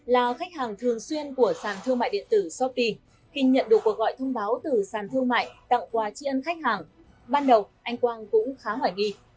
là khách hàng thường xuyên của sàn thương mại điện tử shopee khi nhận được cuộc gọi thông báo từ sàn thương mại tặng quà tri ân khách hàng ban đầu anh quang cũng khá hoài nghi